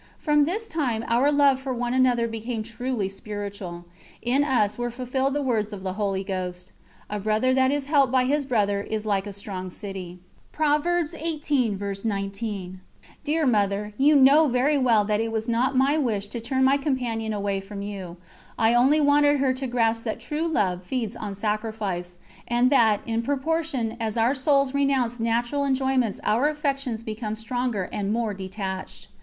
From this time our love for one another became truly spiritual; in us were fulfilled these words of the Holy Ghost: "A brother that is helped by his brother is like a strong city." Dear Mother, you know very well that it was not my wish to turn my companion away from you, I only wanted her to grasp that true love feeds on sacrifice, and that in proportion as our souls renounce natural enjoyments our affections become stronger and more detached.